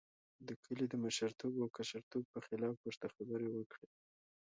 د کلي د مشرتوب او کشرتوب پر خلاف ورته خبرې وکړې.